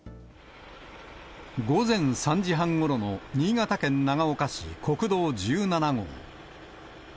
午前３時半ごろの新潟県長岡市国道１７号。